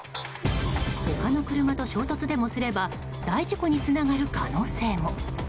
他の車と衝突でもすれば大事故につながる可能性も。